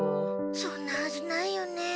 そんなはずないよね。